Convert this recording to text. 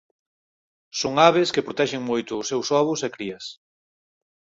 Son aves que protexen moito os seus ovos e crías.